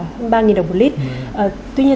hơn ba đồng một lít tuy nhiên